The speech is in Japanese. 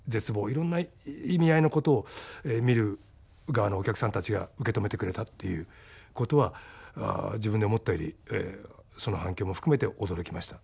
いろんな意味合いのことを見る側のお客さんたちが受け止めてくれたっていうことは自分で思ったよりその反響も含めて驚きました。